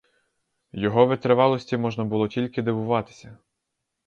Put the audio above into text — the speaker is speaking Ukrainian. Його витривалості можна було тільки дивуватися.